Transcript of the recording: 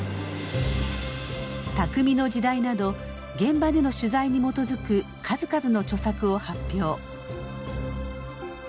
「匠の時代」など現場での取材に基づく数々の著作を発表。